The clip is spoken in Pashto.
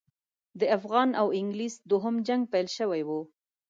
د افغان او انګلیس دوهم جنګ پیل شوی وو.